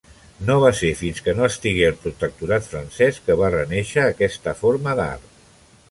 No va ser fins que no estigué el protectorat francès que va renàixer aquesta forma d'art.